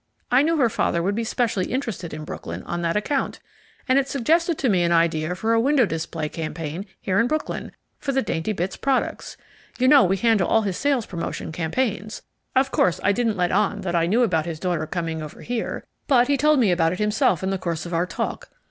I knew her father would be specially interested in Brooklyn, on that account, and it suggested to me an idea for a window display campaign here in Brooklyn for the Daintybits Products. You know we handle all his sales promotion campaigns. Of course I didn't let on that I knew about his daughter coming over here, but he told me about it himself in the course of our talk.